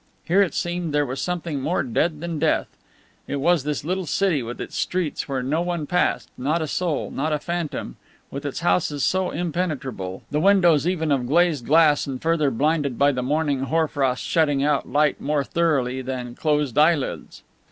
Here it seemed there was something more dead than death: it was this little city with its streets where no one passed, not a soul, not a phantom, with its houses so impenetrable, the windows even of glazed glass and further blinded by the morning hoar frost shutting out light more thoroughly than closed eyelids.